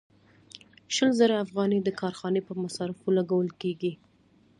شل زره افغانۍ د کارخانې په مصارفو لګول کېږي